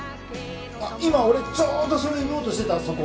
あっ今俺ちょうどそれ言おうとしてたそこ。